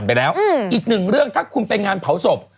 ไปแล้วอีกหนึ่งเรื่องถ้าคุณไปงานเผาศพ